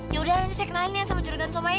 yaudah nanti saya kenalin ya sama jurugan somai